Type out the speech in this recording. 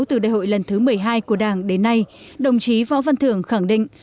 từ đại hội lần thứ một mươi hai của đảng đến nay đồng chí võ văn thưởng khẳng định